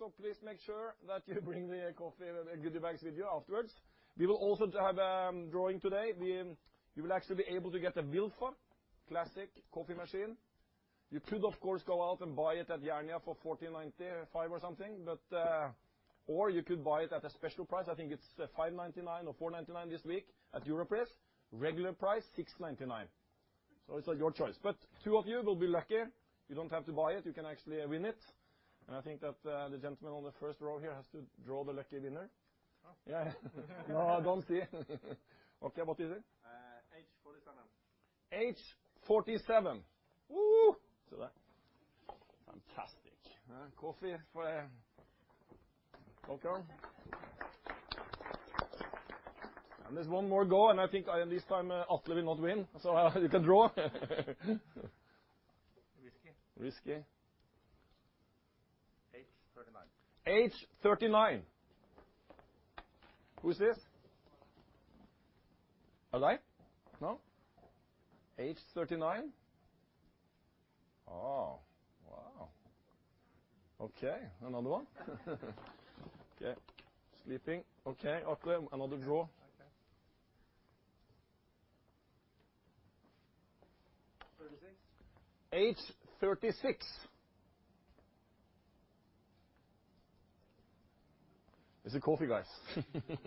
Okay. Yes, please make sure that you bring the coffee and the goodie bags with you afterwards. We will also have a drawing today. You will actually be able to get a Wilfa classic coffee machine. You could, of course, go out and buy it at Jernia for 1495 or something. Or you could buy it at a special price, I think it's 599 or 499 this week at Europris. Regular price, 699. It's your choice. Two of you will be lucky. You don't have to buy it, you can actually win it. I think that the gentleman on the first row here has to draw the lucky winner. Oh. Yeah. No, I don't see. Okay, what is it? H47. H47. Whoo. Fantastic. Coffee for Welcome. There's one more go. I think this time Atle will not win. You can draw. Whiskey. Whiskey. H39. H39. Who's this? Are they? No. H39? Oh, wow. Okay. Another one. Okay. Sleeping. Okay. Atle, another draw. Okay. 36. H36. It's the coffee guys.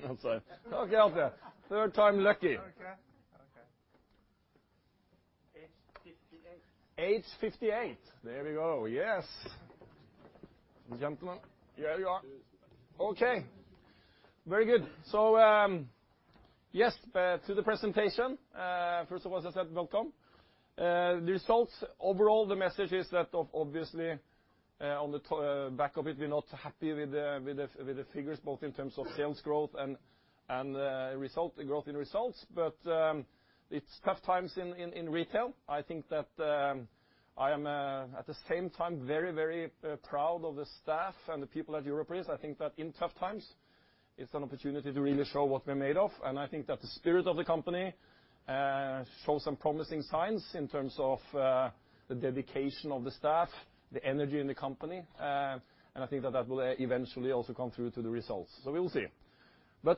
I'm sorry. Okay, Atle. Third time lucky. Okay. H58. H58. There we go. Yes. Gentlemen. Here you are. Cheers. Okay. Very good. Yes, to the presentation. First of all, as I said, welcome. The results, overall, the message is that, obviously, on the back of it, we're not happy with the figures, both in terms of sales growth and growth in results. It's tough times in retail. I think that I am, at the same time, very proud of the staff and the people at Europris. I think that in tough times, it's an opportunity to really show what we're made of. I think that the spirit of the company shows some promising signs in terms of the dedication of the staff, the energy in the company. I think that that will eventually also come through to the results. We will see.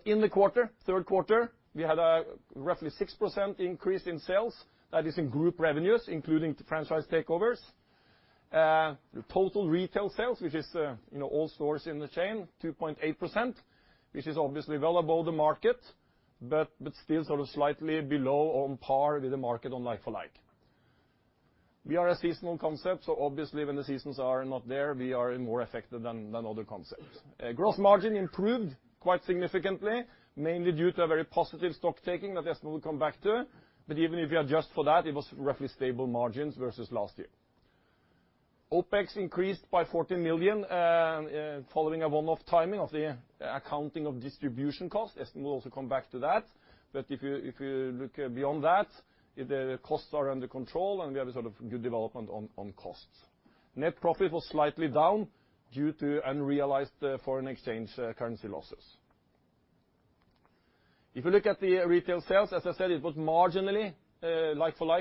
In the quarter, third quarter, we had a roughly 6% increase in sales. That is in group revenues, including the franchise takeovers. The total retail sales, which is all stores in the chain, 2.8%, which is obviously well above the market, but still sort of slightly below or on par with the market on like-for-like. We are a seasonal concept. Obviously, when the seasons are not there, we are more affected than other concepts. Gross margin improved quite significantly, mainly due to a very positive stock taking that, Espen, we'll come back to, even if you adjust for that, it was roughly stable margins versus last year. OPEX increased by 14 million following a one-off timing of the accounting of distribution costs. Espen will also come back to that. If you look beyond that, the costs are under control and we have a good development on costs. Net profit was slightly down due to unrealized foreign exchange currency losses. If you look at the retail sales, as I said, like-for-like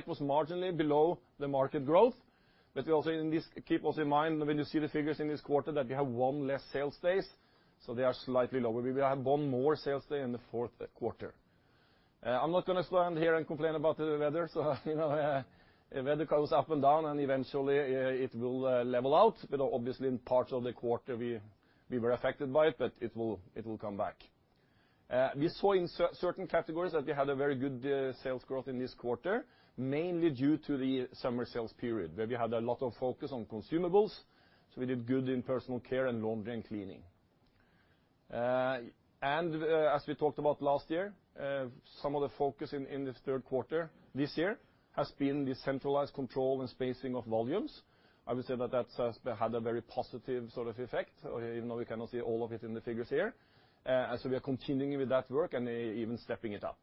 was marginally below the market growth. Also keep in mind, when you see the figures in this quarter, that we have one less sales days, so they are slightly lower. We will have one more sales day in the fourth quarter. I'm not going to stand here and complain about the weather. Weather goes up and down, and eventually, it will level out. Obviously, in parts of the quarter, we were affected by it, but it will come back. We saw in certain categories that we had a very good sales growth in this quarter, mainly due to the summer sales period, where we had a lot of focus on consumables. We did good in personal care and laundry and cleaning. As we talked about last year, some of the focus in this third quarter this year has been the centralized control and spacing of volumes. I would say that that's had a very positive effect, even though we cannot see all of it in the figures here. We are continuing with that work and even stepping it up.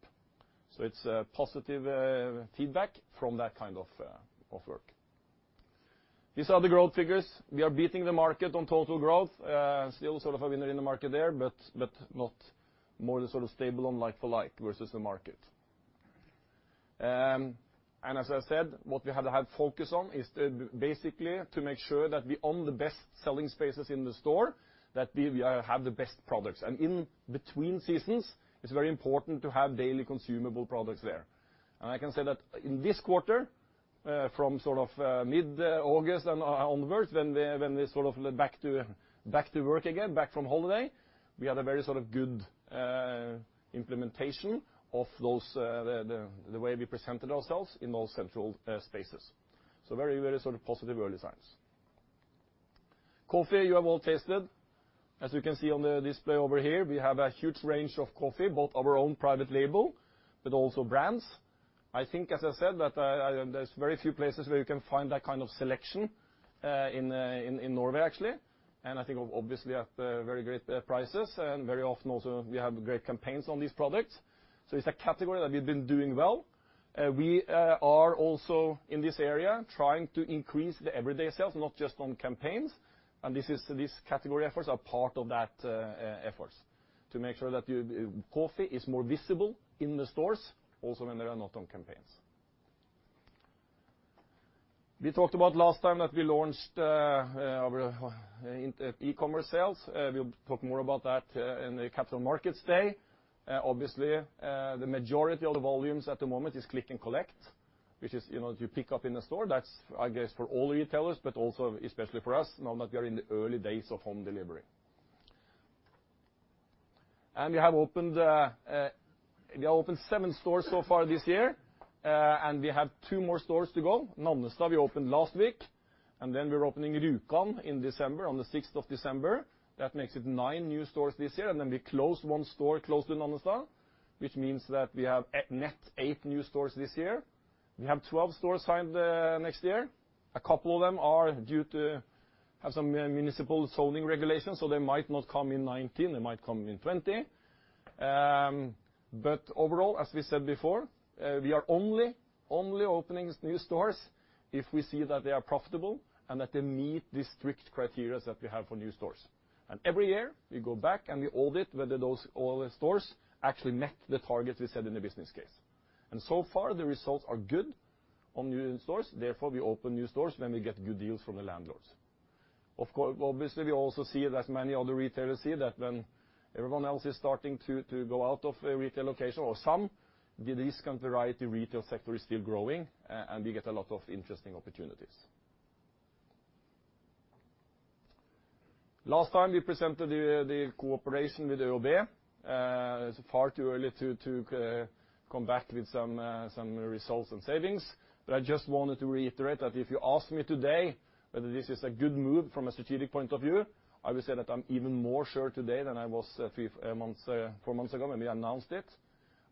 It's positive feedback from that kind of work. These are the growth figures. We are beating the market on total growth. Still sort of a winner in the market there, but more stable on like-for-like versus the market. As I said, what we had to have focus on is basically to make sure that we own the best-selling spaces in the store, that we have the best products. In between seasons, it's very important to have daily consumable products there. I can say that in this quarter, from mid-August onwards, when we're back to work again, back from holiday, we had a very good implementation of the way we presented ourselves in those central spaces. Very positive early signs. Coffee you have all tasted. As you can see on the display over here, we have a huge range of coffee, both our own private label, but also brands. I think, as I said, that there's very few places where you can find that kind of selection in Norway, actually. I think obviously at very great prices, and very often also we have great campaigns on these products. It's a category that we've been doing well. We are also, in this area, trying to increase the everyday sales, not just on campaigns. These category efforts are part of that effort to make sure that coffee is more visible in the stores also when they are not on campaigns. We talked about last time that we launched our e-commerce sales. We'll talk more about that in the capital markets day. Obviously, the majority of the volumes at the moment is click and collect, which is, you pick up in the store. That's, I guess, for all retailers, but also especially for us now that we are in the early days of home delivery. We have opened seven stores so far this year, and we have two more stores to go. Nannestad we opened last week, and then we're opening Rjukan in December, on the 6th of December. That makes it nine new stores this year. Then we closed one store close to Nannestad, which means that we have net eight new stores this year. We have 12 stores signed next year. A couple of them are due to have some municipal zoning regulations, so they might not come in 2019, they might come in 2020. Overall, as we said before, we are only opening new stores if we see that they are profitable and that they meet the strict criteria that we have for new stores. Every year, we go back and we audit whether those stores actually met the targets we set in the business case. So far, the results are good on new stores. Therefore, we open new stores when we get good deals from the landlords. Obviously, we also see that many other retailers see that when everyone else is starting to go out of a retail location or some, the discount variety retail sector is still growing, and we get a lot of interesting opportunities. Last time we presented the cooperation with ÖoB. It's far too early to come back with some results and savings. I just wanted to reiterate that if you ask me today whether this is a good move from a strategic point of view, I would say that I'm even more sure today than I was four months ago when we announced it.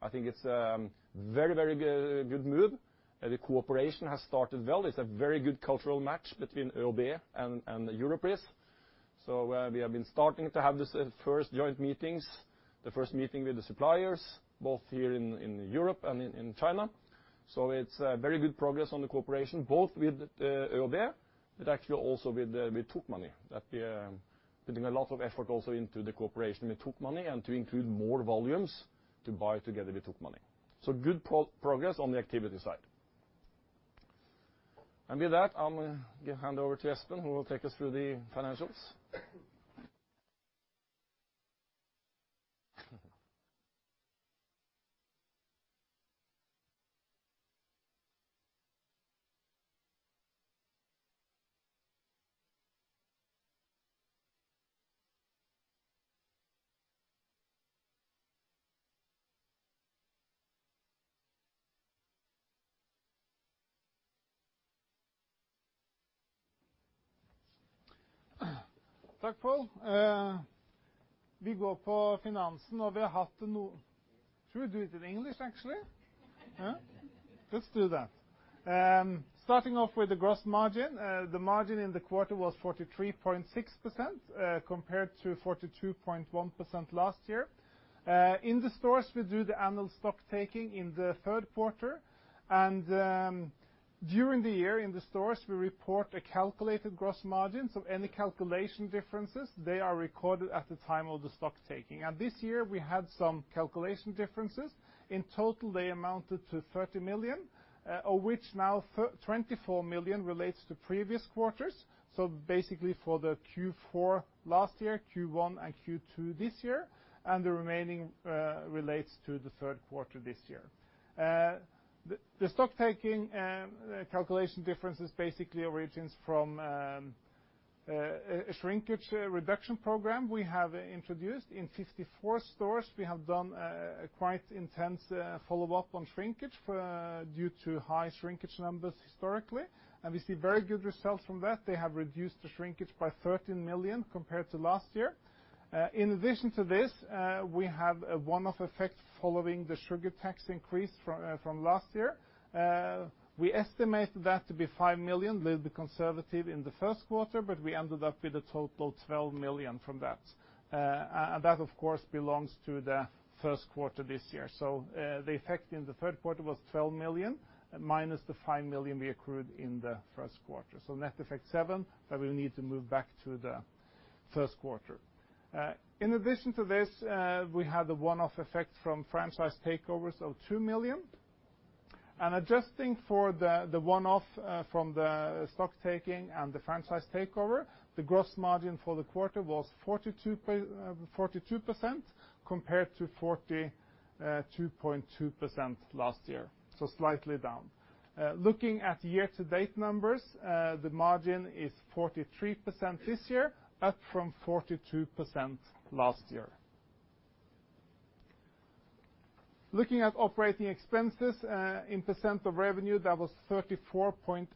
I think it's a very good move. The cooperation has started well. It's a very good cultural match between ÖoB and Europris. We have been starting to have the first joint meetings, the first meeting with the suppliers, both here in Europe and in China. It's very good progress on the cooperation, both with ÖoB, but actually also with Tokmanni, that we are putting a lot of effort also into the cooperation with Tokmanni and to include more volumes to buy together with Tokmanni. Good progress on the activity side. With that, I'm going to hand over to Espen, who will take us through the financials. Takk, Pål. We go på finansen, og vi har hatt noen. Should we do it in English, actually? Yeah? Let's do that. Starting off with the gross margin. The margin in the quarter was 43.6%, compared to 42.1% last year. In the stores, we do the annual stock taking in the third quarter. During the year in the stores, we report a calculated gross margin, so any calculation differences, they are recorded at the time of the stock taking. This year, we had some calculation differences. In total, they amounted to 30 million, of which now 24 million relates to previous quarters. Basically for the Q4 last year, Q1 and Q2 this year, and the remaining relates to the third quarter this year. The stock taking calculation differences basically origins from a shrinkage reduction program we have introduced. In 54 stores, we have done a quite intense follow-up on shrinkage due to high shrinkage numbers historically. We see very good results from that. They have reduced the shrinkage by 13 million compared to last year. In addition to this, we have a one-off effect following the sugar tax increase from last year. We estimated that to be five million, a little bit conservative in the first quarter, but we ended up with a total 12 million from that. That, of course, belongs to the first quarter this year. The effect in the third quarter was 12 million, minus the five million we accrued in the first quarter. Net effect NOK seven, that we need to move back to the first quarter. In addition to this, we have the one-off effect from franchise takeovers of two million. Adjusting for the one-off from the stock taking and the franchise takeover, the gross margin for the quarter was 42% compared to 42.2% last year, so slightly down. Looking at year-to-date numbers, the margin is 43% this year, up from 42% last year. Looking at operating expenses in percent of revenue, that was 34.8%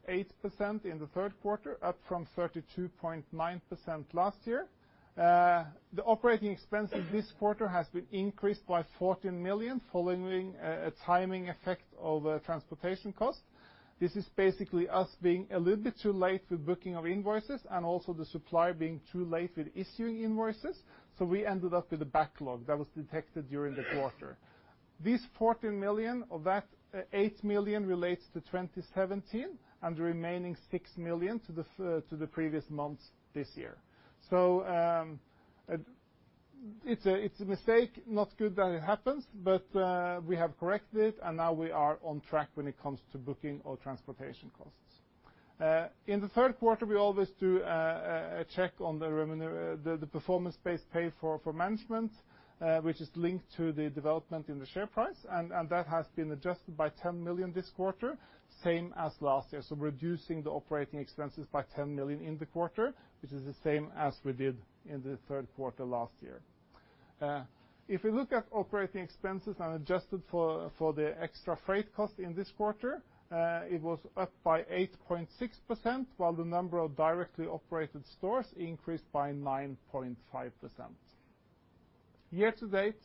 in the third quarter, up from 32.9% last year. The operating expenses this quarter has been increased by 14 million following a timing effect of transportation cost. This is basically us being a little bit too late with booking of invoices and also the supplier being too late with issuing invoices. We ended up with a backlog that was detected during the quarter. This 14 million, of that, eight million relates to 2017 and the remaining six million to the previous months this year. It's a mistake, not good that it happens, but we have corrected it and now we are on track when it comes to booking our transportation costs. In the third quarter, we always do a check on the performance-based pay for management, which is linked to the development in the share price, and that has been adjusted by 10 million this quarter, same as last year. Reducing the operating expenses by 10 million in the quarter, which is the same as we did in the third quarter last year. If we look at operating expenses and adjust it for the extra freight cost in this quarter, it was up by 8.6%, while the number of directly operated stores increased by 9.5%. Year-to-date,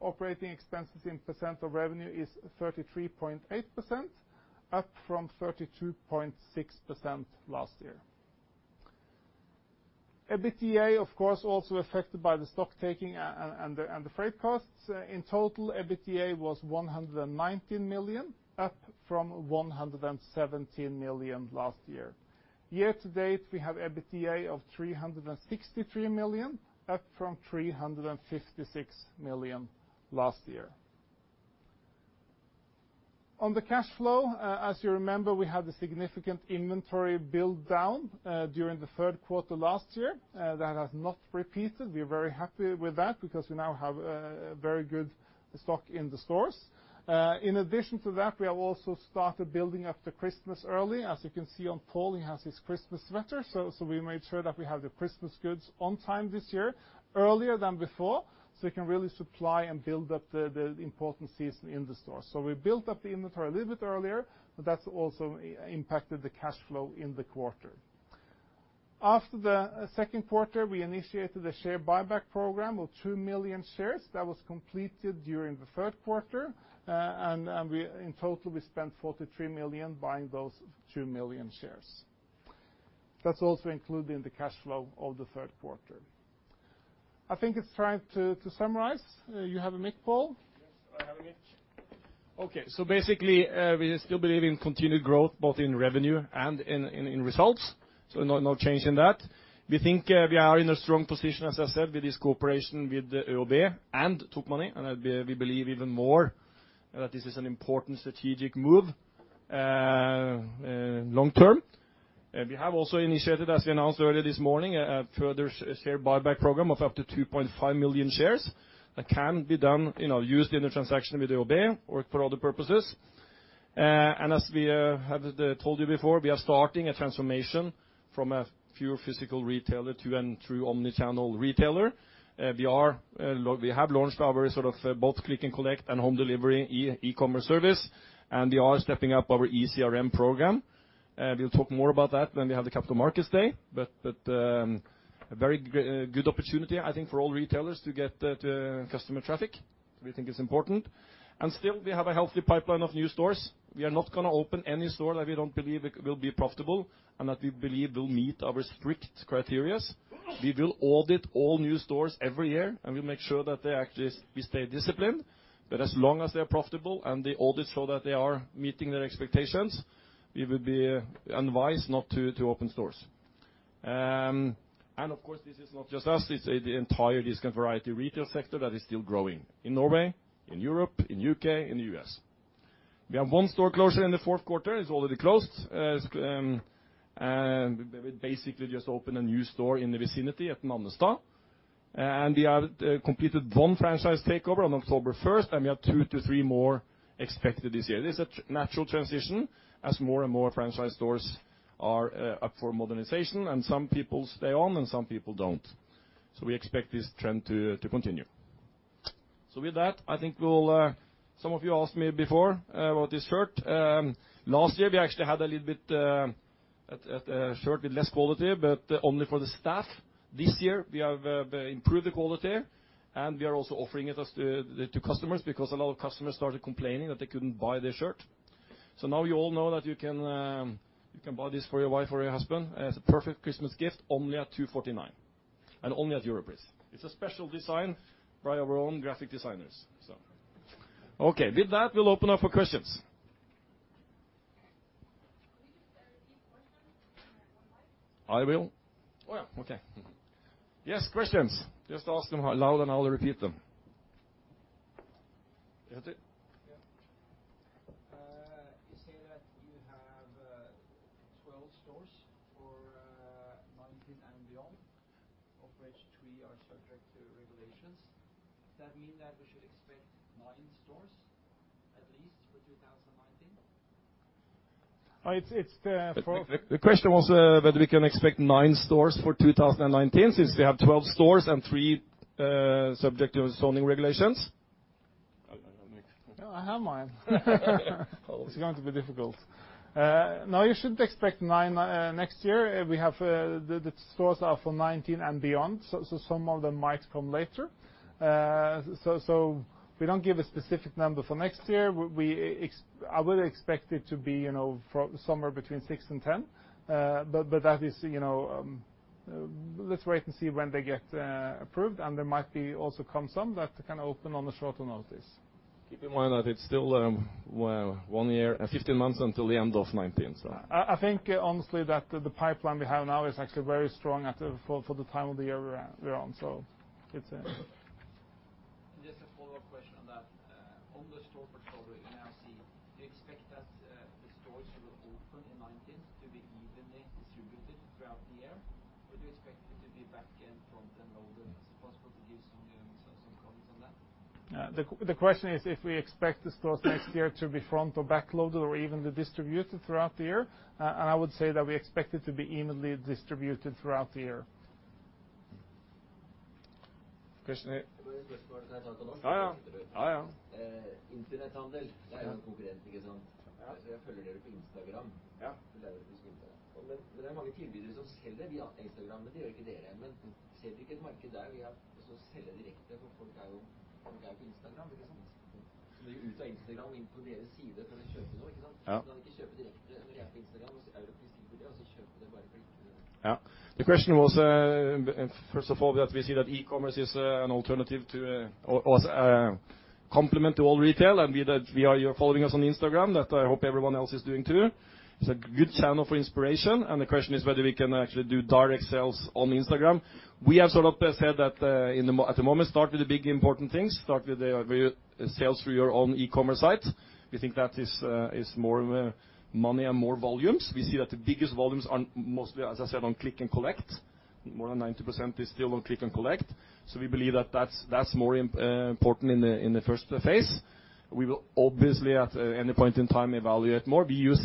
operating expenses in percent of revenue is 33.8%, up from 32.6% last year. EBITDA, of course, also affected by the stock taking and the freight costs. In total, EBITDA was 119 million, up from 117 million last year. Year-to-date, we have EBITDA of 363 million, up from 356 million last year. On the cash flow, as you remember, we had a significant inventory build-down during the third quarter last year. That has not repeated. We are very happy with that because we now have very good stock in the stores. In addition to that, we have also started building up the Christmas early. As you can see on Pål, he has his Christmas sweater. We made sure that we have the Christmas goods on time this year, earlier than before, so we can really supply and build up the important season in the store. We built up the inventory a little bit earlier, but that's also impacted the cash flow in the quarter. After the second quarter, we initiated a share buyback program of 2 million shares that was completed during the third quarter. In total, we spent 43 million buying those 2 million shares. That's also included in the cash flow of the third quarter. I think it's time to summarize. You have a mic, Pål? Yes, I have a mic. Okay. Basically, we still believe in continued growth, both in revenue and in results. No change in that. We think we are in a strong position, as I said, with this cooperation with ÖoB and Tokmanni. We believe even more that this is an important strategic move long term. We have also initiated, as we announced earlier this morning, a further share buyback program of up to 2.5 million shares that can be used in the transaction with ÖoB or for other purposes. As we have told you before, we are starting a transformation from a pure physical retailer to an true omni-channel retailer. We have launched our both click and collect and home delivery e-commerce service, and we are stepping up our eCRM program. We'll talk more about that when we have the capital markets day. A very good opportunity, I think, for all retailers to get customer traffic. We think it's important. Still, we have a healthy pipeline of new stores. We are not going to open any store that we don't believe will be profitable and that we believe will meet our strict criteria. We will audit all new stores every year. We'll make sure that we stay disciplined. As long as they are profitable and they audit so that they are meeting their expectations, we will be unwise not to open stores. Of course, this is not just us, it's the entire discount variety retail sector that is still growing in Norway, in Europe, in U.K., in U.S. We have one store closure in the fourth quarter. It's already closed. We basically just opened a new store in the vicinity at Nannestad. We have completed one franchise takeover on October 1st, and we have two to three more expected this year. This is a natural transition as more and more franchise stores are up for modernization, and some people stay on and some people don't. We expect this trend to continue. With that, I think some of you asked me before about this shirt. Last year, we actually had a shirt with less quality, but only for the staff. This year, we have improved the quality, and we are also offering it to customers because a lot of customers started complaining that they couldn't buy the shirt. Now you all know that you can buy this for your wife or your husband as a perfect Christmas gift, only at 249, and only at Europris. It's a special design by our own graphic designers. Okay, with that, we'll open up for questions. Will you repeat the questions on the microphone? I will. Oh, yeah. Okay. Yes, questions. Just ask them out loud and I'll repeat them. Jesse? Yeah. You say that you have 12 stores for 2019 and beyond, of which three are subject to regulations. That mean that we should expect nine stores at least for 2019? The question was that we can expect nine stores for 2019 since they have 12 stores and three subject to zoning regulations. I don't have a mic. No, I have mine. It's going to be difficult. You should expect nine next year. The stores are for 2019 and beyond, so some of them might come later. We don't give a specific number for next year. I would expect it to be somewhere between six and 10. Let's wait and see when they get approved, and there might be also come some that can open on a shorter notice. Keep in mind that it's still 15 months until the end of 2019. I think honestly that the pipeline we have now is actually very strong for the time of the year we're on. Just a follow-up question on that. On the store portfolio you now see, do you expect that the stores that will open in 2019 to be evenly distributed throughout the year? Do you expect it to be back-end front-end loaded? Is it possible to give some guidance or some comments on that? The question is if we expect the stores next year to be front or back loaded, or evenly distributed throughout the year. I would say that we expect it to be evenly distributed throughout the year. Christian. The question was, first of all, that we see that e-commerce is a complement to all retail, and you're following us on Instagram, that I hope everyone else is doing, too. It's a good channel for inspiration. The question is whether we can actually do direct sales on Instagram. We have said that at the moment, start with the big important things, start with sales through your own e-commerce site. We think that is more money and more volumes. We see that the biggest volumes are mostly, as I said, on click and collect. More than 90% is still on click and collect. We believe that's more important in the first phase. We will obviously, at any point in time, evaluate more. We use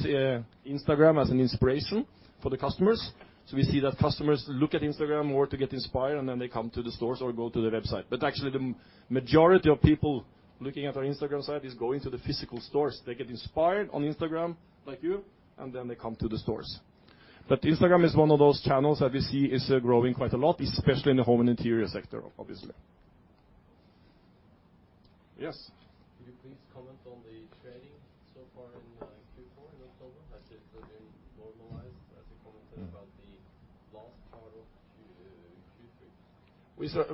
Instagram as an inspiration for the customers. We see that customers look at Instagram more to get inspired, and then they come to the stores or go to the website. Actually the majority of people looking at our Instagram site are going to the physical stores. They get inspired on Instagram, like you, and then they come to the stores. Instagram is one of those channels that we see is growing quite a lot, especially in the home and interior sector, obviously. Yes. Could you please comment on the trading so far in Q4 in October, has it been normalized as you commented about the last part of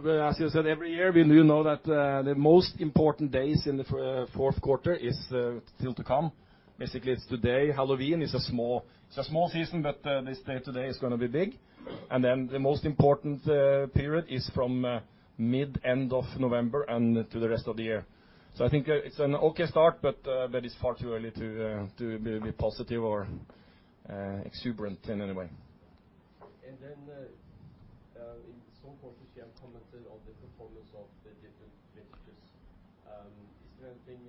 Q3? As you said, every year we do know that the most important days in the fourth quarter is still to come. Basically, it's today. Halloween is a small season, but this day today is going to be big. The most important period is from mid, end of November and through the rest of the year. I think it's an okay start, but it's far too early to be positive or exuberant in any way. In some quarters you have commented on the performance of the different ventures. Is there anything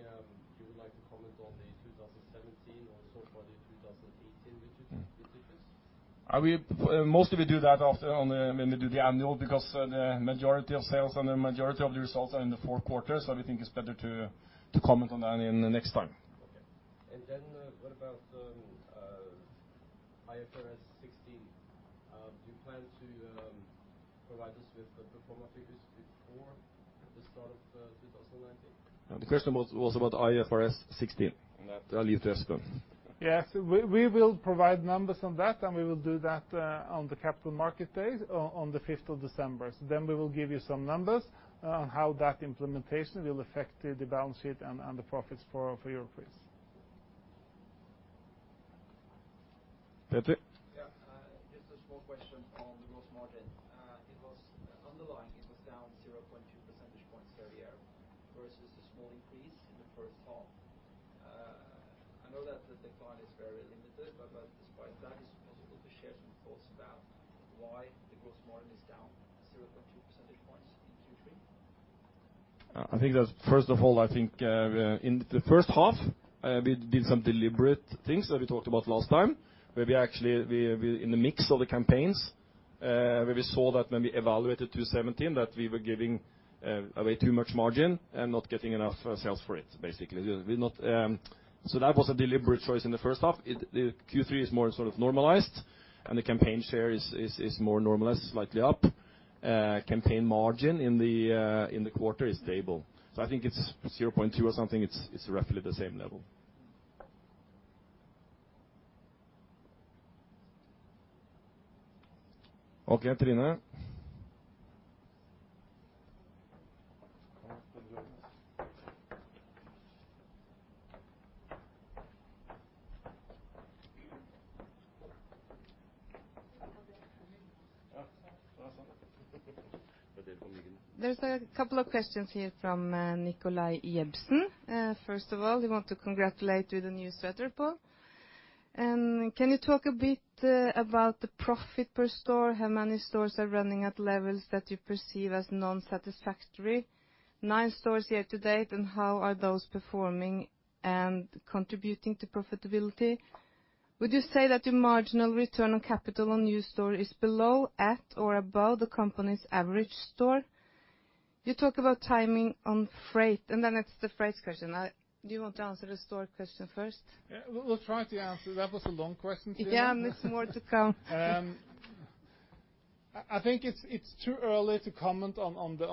you would like to comment on the 2017 or so for the 2018 ventures? Mostly we do that when we do the annual, because the majority of sales and the majority of the results are in the fourth quarter. We think it's better to comment on that in the next time. Okay. What about IFRS 16? Do you plan to provide us with the performance figures before the start of 2019? The question was about IFRS 16. I'll leave it to Espen. Yes. We will provide numbers on that, and we will do that on the capital market day on the 5th of December. We will give you some numbers on how that implementation will affect the balance sheet and the profits for Europris. Petter. Yeah. Just a small question on the gross margin. Underlying, it was down 0.2 percentage points year-over-year, versus the small increase in the first half. I know that the decline is very limited, but despite that, is it possible to share some thoughts about why the gross margin is down 0.2 percentage points in Q3? First of all, I think in the first half we did some deliberate things that we talked about last time, where we actually, in the mix of the campaigns, where we saw that when we evaluated 2017, that we were giving away too much margin and not getting enough sales for it, basically. That was a deliberate choice in the first half. Q3 is more normalized, and the campaign share is more normalized, slightly up. Campaign margin in the quarter is stable. I think it's 0.2 or something. It's roughly the same level. Okay, Trine. There's a couple of questions here from Nikolai Jebsen. First of all, he want to congratulate you on the new sweater, Pål. Can you talk a bit about the profit per store? How many stores are running at levels that you perceive as non-satisfactory? Nine stores year to date, how are those performing and contributing to profitability? Would you say that your marginal return on capital on new store is below, at, or above the company's average store? You talk about timing on freight. Then it's the freight question. Do you want to answer the store question first? We'll try to answer. That was a long question. Yeah, there's more to come. I think it's too early to comment on the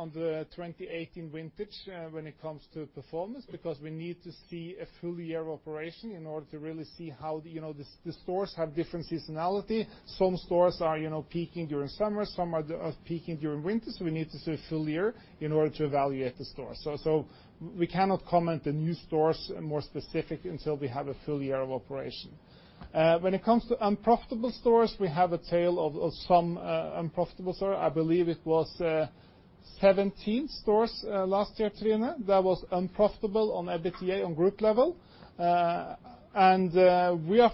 2018 vintage when it comes to performance, because we need to see a full year of operation in order to really see how the stores have different seasonality. Some stores are peaking during summer, some are peaking during winter, we need to see a full year in order to evaluate the stores. We cannot comment the new stores more specific until we have a full year of operation. When it comes to unprofitable stores, we have a tail of some unprofitable store. I believe it was 17 stores last year, Trine, that was unprofitable on EBITDA on group level. We are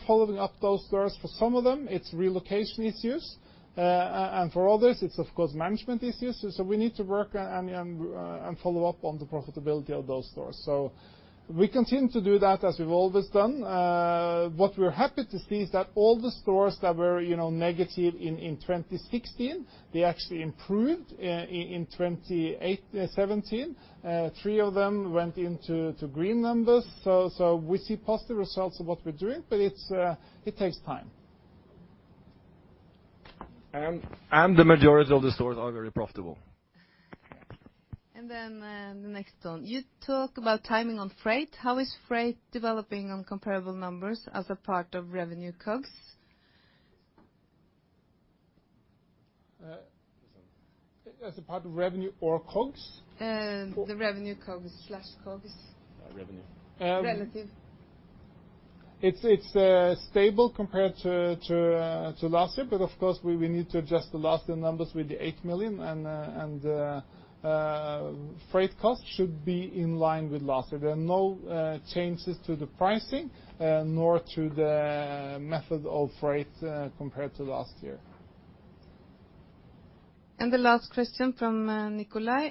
following up those stores. For some of them, it's relocation issues, for others, it's of course, management issues. We need to work and follow up on the profitability of those stores. We continue to do that as we've always done. What we are happy to see is that all the stores that were negative in 2016, they actually improved in 2017. Three of them went into green numbers. We see positive results of what we're doing, but it takes time. The majority of the stores are very profitable. The next one. You talk about timing on freight. How is freight developing on comparable numbers as a part of revenue COGS? As a part of revenue or COGS? The revenue COGS/COGS. Revenue. Relative. It's stable compared to last year, but of course, we need to adjust the last year numbers with the 8 million, and freight cost should be in line with last year. There are no changes to the pricing nor to the method of freight compared to last year. The last question from Nikolai.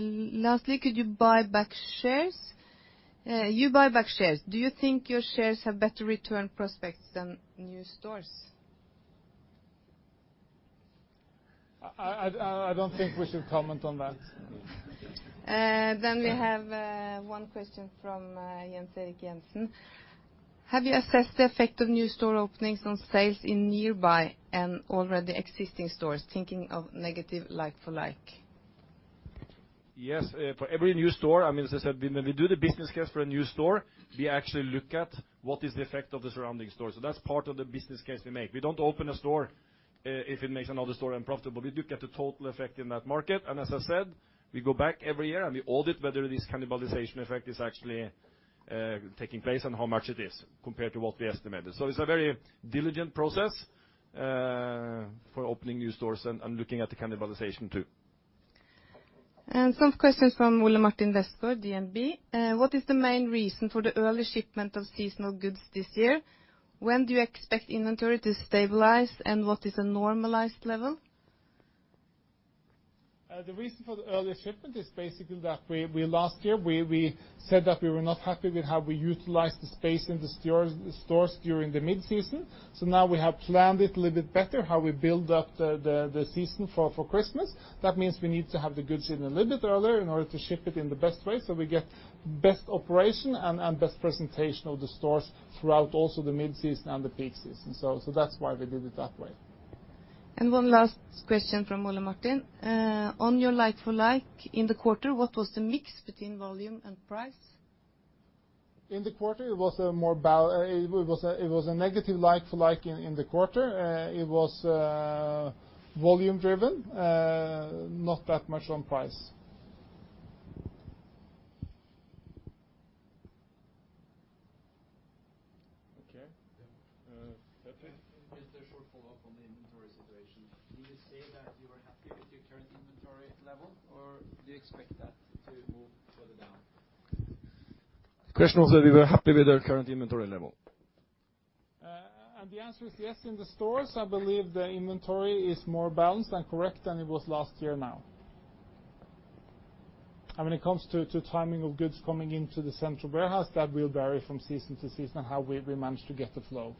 Lastly, could you buy back shares? You buy back shares. Do you think your shares have better return prospects than new stores? I don't think we should comment on that. We have one question from Jens Erik Jensen. Have you assessed the effect of new store openings on sales in nearby and already existing stores? Thinking of negative like-for-like. Yes. For every new store, as I said, when we do the business case for a new store, we actually look at what is the effect of the surrounding stores. That's part of the business case we make. We don't open a store if it makes another store unprofitable. We look at the total effect in that market. As I said, we go back every year, and we audit whether this cannibalization effect is actually taking place and how much it is compared to what we estimated. It's a very diligent process for opening new stores and looking at the cannibalization, too. Some questions from Ole Martin Vestgaard, DNB. What is the main reason for the early shipment of seasonal goods this year? When do you expect inventory to stabilize, and what is a normalized level? The reason for the early shipment is basically that last year we said that we were not happy with how we utilized the space in the stores during the mid-season. Now we have planned it a little bit better, how we build up the season for Christmas. That means we need to have the goods in a little bit earlier in order to ship it in the best way, we get best operation and best presentation of the stores throughout also the mid-season and the peak season. That's why we did it that way. One last question from Ole Martin. On your like-for-like in the quarter, what was the mix between volume and price? In the quarter, it was a negative like-for-like in the quarter. It was volume driven, not that much on price. Okay. Patrick? Just a short follow-up on the inventory situation. Do you say that you are happy with your current inventory level, or do you expect that to move further down? The question was whether we were happy with our current inventory level. The answer is yes. In the stores, I believe the inventory is more balanced and correct than it was last year now. When it comes to timing of goods coming into the central warehouse, that will vary from season to season, how we manage to get the flow.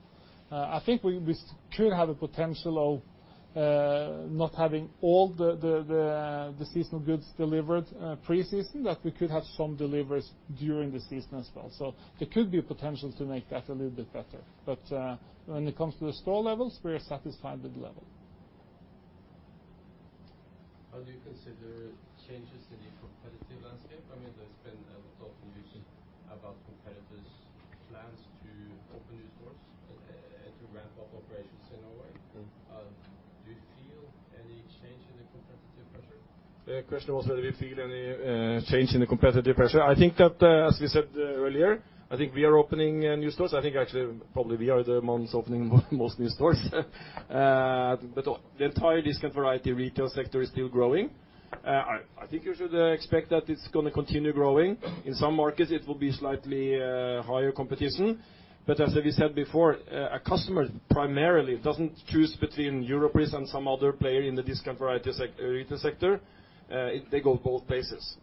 I think we could have a potential of not having all the seasonal goods delivered pre-season, that we could have some deliveries during the season as well. There could be potential to make that a little bit better. When it comes to the store levels, we are satisfied with the level. How do you consider changes in the competitive landscape? There's been a lot of news about competitors' plans to open new stores and to ramp up operations in Norway. Do you feel any change in the competitive pressure? The question was whether we feel any change in the competitive pressure. I think that, as we said earlier, I think we are opening new stores. I think actually probably we are the ones opening most new stores. The entire discount variety retail sector is still growing. I think you should expect that it's going to continue growing. In some markets, it will be slightly higher competition. As we said before, a customer primarily doesn't choose between Europris and some other player in the discount variety retail sector. They go both places.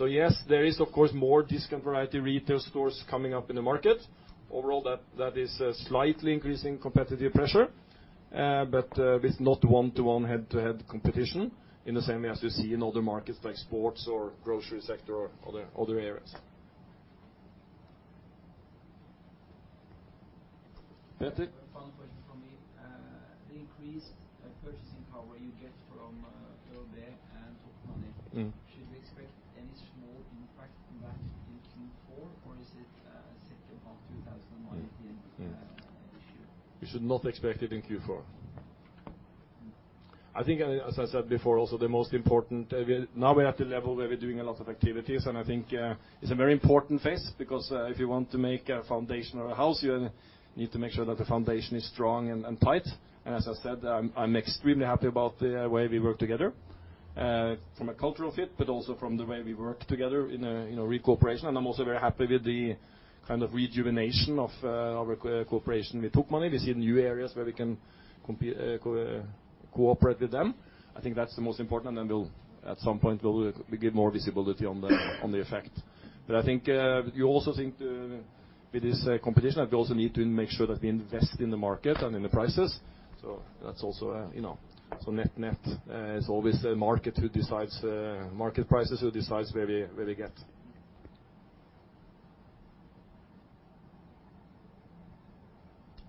Yes, there is of course more discount variety retail stores coming up in the market. Overall, that is slightly increasing competitive pressure. It's not one-to-one, head-to-head competition in the same way as we see in other markets, like sports or grocery sector or other areas. Patrick? One final question from me. The increased purchasing power you get from ÖoB and Tokmanni. Should we expect any small impact from that in Q4, or is it set about NOK 2,000 million issue? You should not expect it in Q4. I think, as I said before also, the most important, now we're at the level where we're doing a lot of activities, and I think it's a very important phase because if you want to make a foundation or a house, you need to make sure that the foundation is strong and tight. As I said, I'm extremely happy about the way we work together from a cultural fit, but also from the way we work together in re-cooperation. I'm also very happy with the kind of rejuvenation of our cooperation with Tokmanni. We see new areas where we can cooperate with them. I think that's the most important, then at some point, we'll give more visibility on the effect. I think you also think with this competition that we also need to make sure that we invest in the market and in the prices. Net, net, it's always the market prices who decides where we get.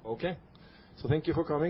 Okay. Thank you for coming.